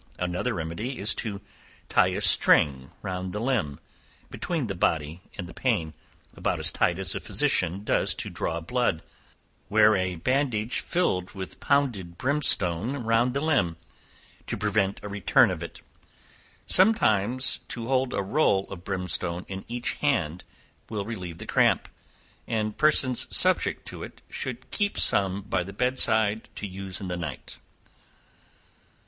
Another remedy is to tie a string round the limb, between the body and the pain, about as tight as a physician does to draw blood; wear a bandage filled with pounded brimstone round the limb, to prevent a return of it. Sometimes to hold a roll of brimstone in each hand will relieve the cramp, and persons subject to it should keep some by the bed side to use in the night.